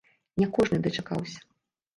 Ня кожны дачакаўся.